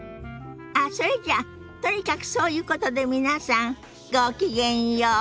あっそれじゃとにかくそういうことで皆さんごきげんよう。